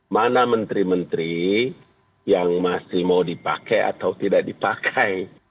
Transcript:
mana menteri menteri yang masih mau dipakai atau tidak dipakai